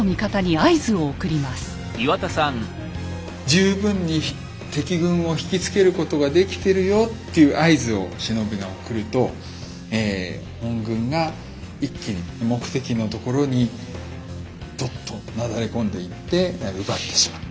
十分に敵軍を引き付けることができてるよっていう合図を忍びが送ると本軍が一気に目的のところにどっとなだれ込んでいって奪ってしまう。